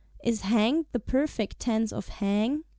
(Is "hanged" the perfect tense of "hang"?